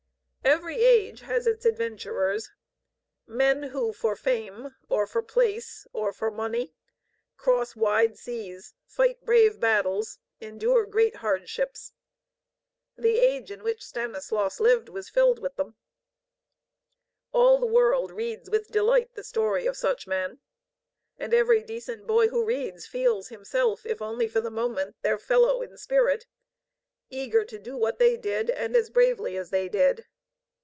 Every age has its adventurers: men who for fame, or for place, or for money, cross wide seas, fight brave battles, endure great hardships. The age in which Stanislaus lived was filled with them. All the world reads with delight the story of such men. And every decent boy who reads feels himself, if only for the moment, their fellow in spirit, eager to do what they did and as bravely as they did.